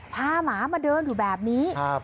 หมามาเดินอยู่แบบนี้